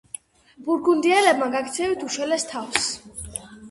ბურგუნდიელებმა გაქცევით უშველეს თავს.